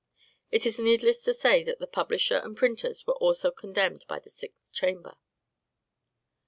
It is needless to say that the publisher and printers were also condemned by the sixth chamber.